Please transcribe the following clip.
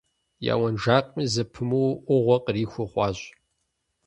Я уэнжакъми зэпымыууэ Ӏугъуэ къриху хъуащ.